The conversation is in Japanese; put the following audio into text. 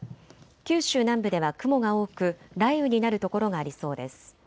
九州南部では雲が多く雷雨になる所がありそうです。